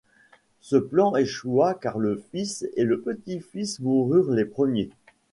Ce plan échoua car le fils et le petit-fils moururent les premiers.